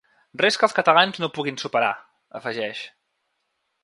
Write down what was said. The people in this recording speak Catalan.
“Res que els catalans no puguin superar”, afegeix.